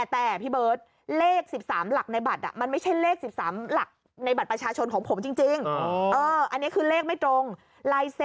แต่พี่เบิศเลขสิบสามหลักในบัตร